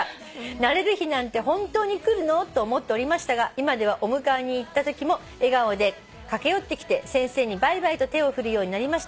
「慣れる日なんて本当に来るの？と思っておりましたが今ではお迎えに行ったときも笑顔で駆け寄ってきて先生にバイバイと手を振るようになりました」